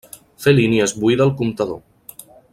Fer línies buida el comptador.